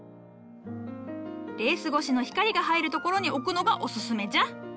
レース越しの光が入るところに置くのがおすすめじゃ。